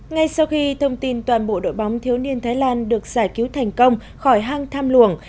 ngay sau khi thông tin toàn bộ đội bóng thiếu niên thái lan được giải cứu thành công khỏi hang tham luồng